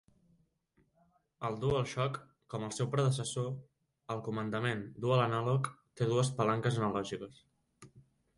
El DualShock, com el seu predecessor, el comandament Dual Analog, té dues palanques analògiques.